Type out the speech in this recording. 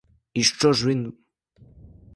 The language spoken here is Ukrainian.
І що ж він?